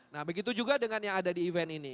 nah begitu juga dengan yang ada di event ini